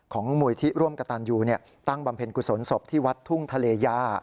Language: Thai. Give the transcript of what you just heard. มูลที่ร่วมกระตันยูตั้งบำเพ็ญกุศลศพที่วัดทุ่งทะเลย่า